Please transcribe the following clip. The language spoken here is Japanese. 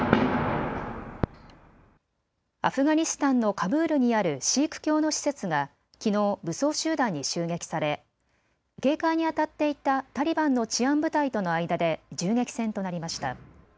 アフガニスタンのカブールにあるシーク教の施設がきのう武装集団に襲撃され警戒に当たっていたタリバンの治安部隊との間で銃撃戦となりました。